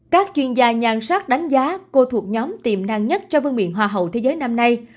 các chuyên gia nhạc sắc đánh giá cô thuộc nhóm tiềm năng nhất cho vương miệng hòa hậu thế giới năm nay